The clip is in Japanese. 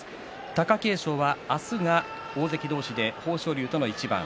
貴景勝は明日が大関同士で豊昇龍との一番。